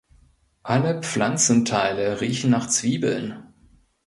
Alle Pflanzenteile riechen nach Zwiebeln.